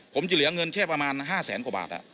ผมจะเหลือเงินแค่ประมาณ๕แสนกว่าบาท